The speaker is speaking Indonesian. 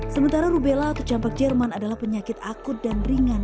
sementara rubella atau campak jerman adalah penyakit akut dan ringan yang sering mengindulkan